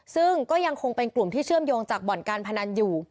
ซึ่งก็ยังคงเป็นกลุ่มที่เชื่อมโยงจากบ่อนการพนันอยู่